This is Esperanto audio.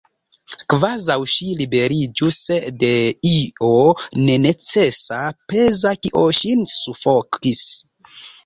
Kvazaŭ ŝi liberiĝus de io nenecesa, peza, kio ŝin sufokis.